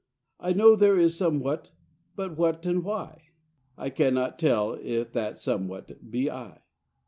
I know there is somewhat; but what and why! I cannot tell if that somewhat be I.